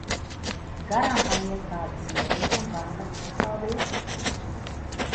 Garām paiet kāda sieviete un pasaka: "Paldies!"